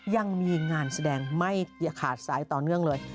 ยังมีงานแสดงไม่ขาดสายต่อเนื่องเลย